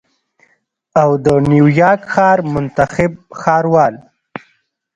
او د نیویارک ښار منتخب ښاروال